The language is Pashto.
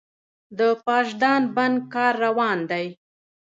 د پاشدان بند کار روان دی؟